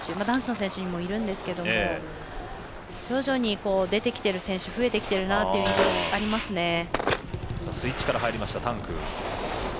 男子の選手にもいるんですけど徐々に出てきてる選手増えてきているなという印象がありますね。